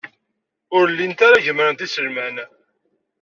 Ur llint ara gemmrent iselman.